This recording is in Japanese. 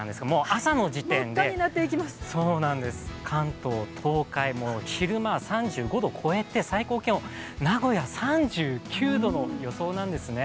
朝の時点で関東、東海、昼間は３５度を超えて最高気温、名古屋３９度の予想なんですね。